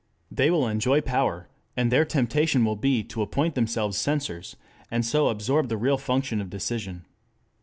They will enjoy power, and their temptation will be to appoint themselves censors, and so absorb the real function of decision.